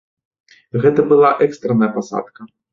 Гэта была экстранная пасадка.